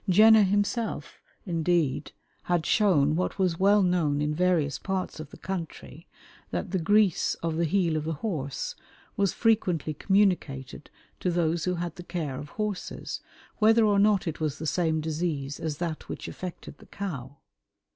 Jenner himself, indeed, had shown what was well known in various parts of the country, that the "grease" of the heel of the horse was frequently communicated to those who had the care of horses, whether or not it was the same disease as that which affected the cow.